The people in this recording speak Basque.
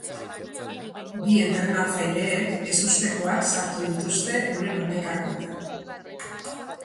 Bi entrenatzaileek ezustekoak sartu dituzte euren hamaikakoetan.